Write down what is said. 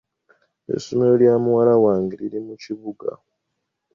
Essomero lya muwala wange liri mu kibuga.